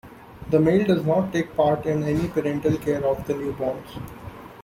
The male does not take part in any parental care of the newborns.